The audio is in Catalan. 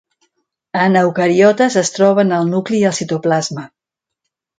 En eucariotes, es troben al nucli i al citoplasma.